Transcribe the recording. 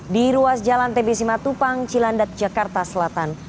di ruas jalan tbc matupang cilandak jakarta selatan